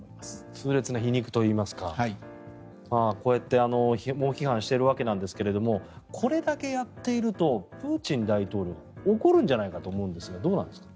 痛烈な皮肉といいますかこうやって猛批判しているわけなんですがこれだけやっているとプーチン大統領は怒るんじゃないかと思うんですがどうなんですか。